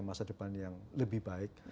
masa depan yang lebih baik